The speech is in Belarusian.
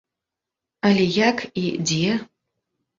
Але як і дзе?